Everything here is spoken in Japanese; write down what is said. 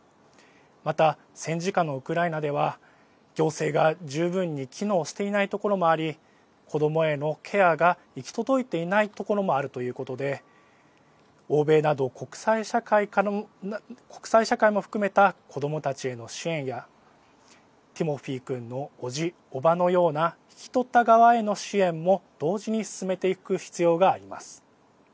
また、戦時下のウクライナでは行政が十分に機能していない所もあり子どもへのケアが行き届いていないところもあるということで欧米など国際社会も含めた子どもたちへの支援やティモフィ君のおじ、おばのような引き取った側への支援も同時に進めていく必要があります。